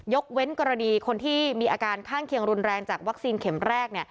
เว้นกรณีคนที่มีอาการข้างเคียงรุนแรงจากวัคซีนเข็มแรก